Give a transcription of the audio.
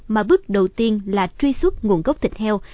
mà bước đầu tiên là truy xuất nguồn gốc thịt heo